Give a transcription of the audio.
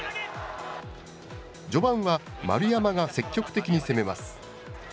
序盤は、丸山が積極的に攻めます。